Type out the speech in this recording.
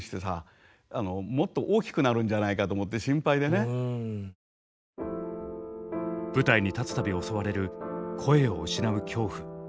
音的にはね舞台に立つ度襲われる声を失う恐怖。